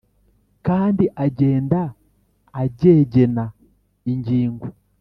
Kandi agenda agegena ingingo